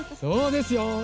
そうですよ。